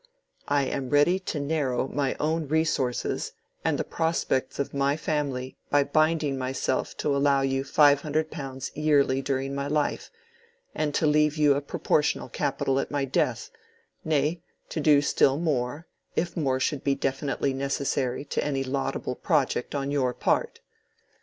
I am ready to narrow my own resources and the prospects of my family by binding myself to allow you five hundred pounds yearly during my life, and to leave you a proportional capital at my death—nay, to do still more, if more should be definitely necessary to any laudable project on your part."